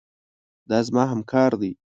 دا زما همکار دی.